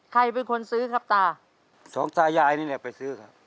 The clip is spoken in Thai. ใครเป็นคนซื้อครับตาสองตายายนี่แหละไปซื้อครับ